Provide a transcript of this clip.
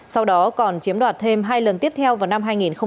sau đó còn chiếm đoạt thêm hai lần tiếp theo vào năm hai nghìn một mươi sáu